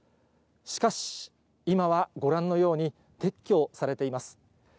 しかし、今はご覧のように撤去されています。